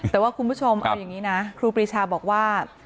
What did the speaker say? แต่ว่าคุณผู้ชมเอาอย่างนี้นะครูปรีชาบอกว่า